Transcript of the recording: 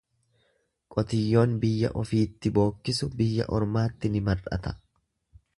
Qotiyyoon biyya ofiitti bookkisu biyya ormaatti ni mar'ata.